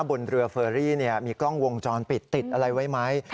บนเรือเฟอรี่มีกล้องวงจรปิดติดอะไรไว้ไหม